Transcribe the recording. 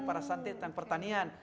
para santri dan pertanian